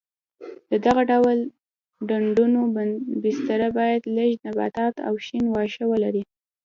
د دغه ډول ډنډونو بستره باید لږ نباتات او شین واښه ولري.